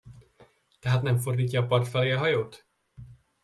Tehát nem fordítja a part felé a hajót?